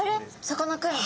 さかなクン。